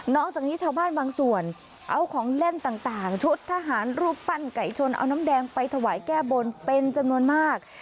จากนี้ชาวบ้านบางส่วนเอาของเล่นต่างชุดทหารรูปปั้นไก่ชนเอาน้ำแดงไปถวายแก้บนเป็นจำนวนมาก